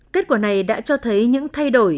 kết quả này đã cho thấy những thay đổi